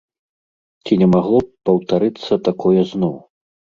Ці не магло б паўтарыцца такое зноў?